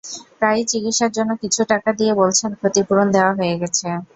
প্রায়ই চিকিৎসার জন্য কিছু টাকা দিয়ে বলছেন ক্ষতিপূরণ দেওয়া হয়ে গেছে।